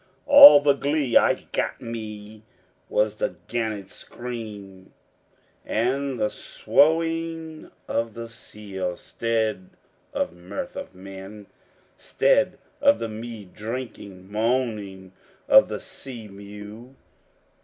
All the glee I got me was the gannet's scream, And the swoughing of the seal, 'stead of mirth of men; 'Stead of the mead drinking, moaning of the sea mew.